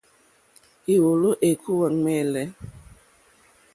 Éwòló ékúwà ɱwɛ̂lɛ̂.